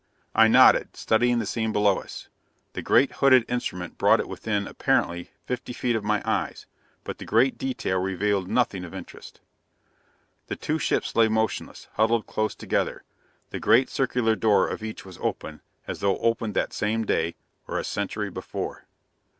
I nodded, studying the scene below us. The great hooded instrument brought it within, apparently, fifty feet of my eyes, but the great detail revealed nothing of interest. The two ships lay motionless, huddled close together. The great circular door of each was open, as though opened that same day or a century before.